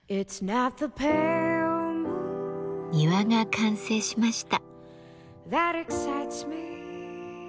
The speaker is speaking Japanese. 庭が完成しました。